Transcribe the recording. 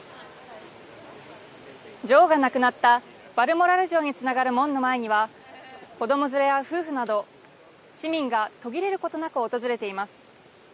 女王が亡くなったバルモラル城につながる門の前には子ども連れや夫婦など市民が途切れることなく訪れています。